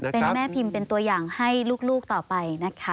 เป็นแม่พิมพ์เป็นตัวอย่างให้ลูกต่อไปนะคะ